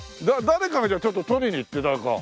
誰かがじゃあちょっと取りに行って誰か。